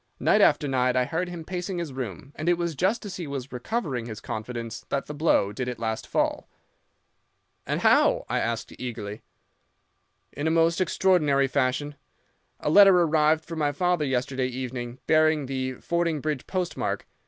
Night after night I heard him pacing his room, and it was just as he was recovering his confidence that the blow did at last fall. "'And how?' I asked eagerly. "'In a most extraordinary fashion. A letter arrived for my father yesterday evening, bearing the Fordingbridge postmark.